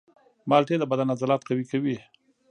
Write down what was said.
مالټې د بدن عضلات قوي کوي.